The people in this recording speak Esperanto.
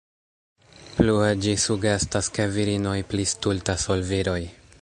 Plue ĝi sugestas, ke virinoj pli stultas ol viroj.